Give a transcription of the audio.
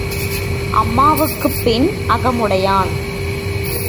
அம்மாவுக்குப் பின் அகமுடையான்.